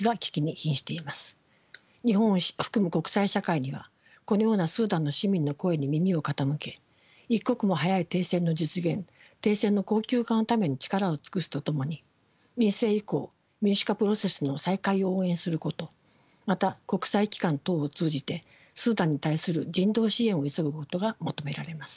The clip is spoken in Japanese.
日本を含む国際社会にはこのようなスーダンの市民の声に耳を傾け一刻も早い停戦の実現停戦の恒久化のために力を尽くすとともに民政移行民主化プロセスの再開を応援することまた国際機関等を通じてスーダンに対する人道支援を急ぐことが求められます。